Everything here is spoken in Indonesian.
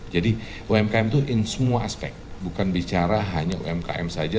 jadi umkm itu in semua aspek bukan bicara hanya umkm saja